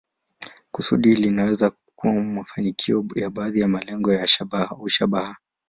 Kusudi linaweza kuwa mafanikio ya baadhi ya malengo au shabaha.